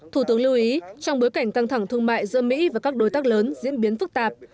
thủ tướng lưu ý trong bối cảnh căng thẳng thương mại giữa mỹ và các đối tác lớn diễn biến phức tạp